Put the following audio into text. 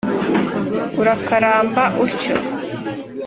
urakaramba utyo.